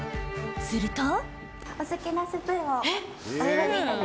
すると。